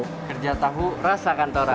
kerja tahu rasa kantoran